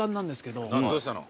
どうしたの？